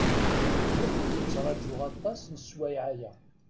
Lliɣ ttṛajuɣ aṭas n sswayeɛ-aya.